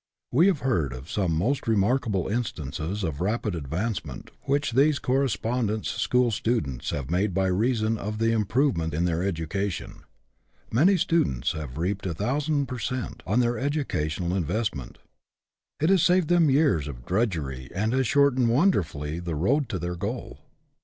We have heard of some most remarkable instances of rapid advancement which these correcpondence school students have made by reason of the improvement in their education. Many students have reaped a thousand per cent, on their educational invest ment. It has saved them years of drudgery and has shortened wonderfully the road to their goal.